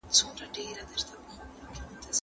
نباتي خواړه فایټېټ لري.